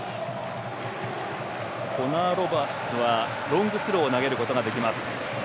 コナー・ロバーツはロングスローを投げることができます。